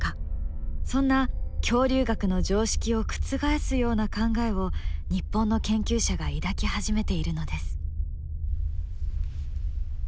そんな恐竜学の常識を覆すような考えを日本の研究者が抱き始めているのです。